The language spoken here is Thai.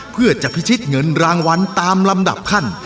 เพื่อจะพิชิตเงินรางวัลตามลำดับขั้น